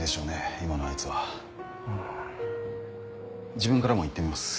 自分からも言ってみます。